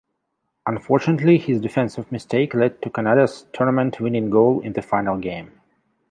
Unfortunately, his defensive mistake led to Canada's tournament-winning goal in the final game.